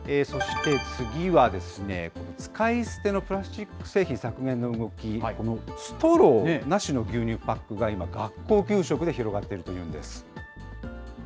そして次は、使い捨てのプラスチック製品削減の動き、ストローなしの牛乳パックが今、学校給食で広がっているというんです。